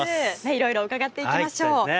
いろいろ伺っていきましょう。